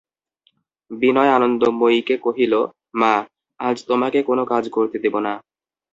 বিনয় আনন্দময়ীকে কহিল, মা, আজ তোমাকে কোনো কাজ করতে দেব না।